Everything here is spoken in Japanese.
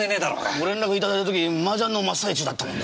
ご連絡いただいた時麻雀の真っ最中だったもんですから。